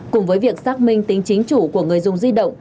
cùng với việc xác minh tính chính chủ của người dùng di động